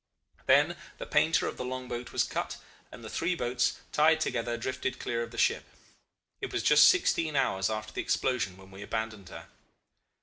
"Then the painter of the long boat was cut, and the three boats, tied together, drifted clear of the ship. It was just sixteen hours after the explosion when we abandoned her.